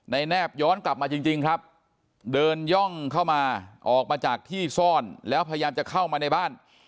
แนบย้อนกลับมาจริงครับเดินย่องเข้ามาออกมาจากที่ซ่อนแล้วพยายามจะเข้ามาในบ้าน